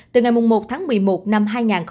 từ ngày một tháng một mươi một năm hai nghìn hai mươi